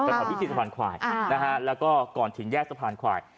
แถวพิธีสะพานควายนะฮะแล้วก็ก่อนถึงแยกสะพานควาย